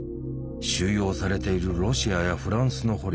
収容されているロシアやフランスの捕虜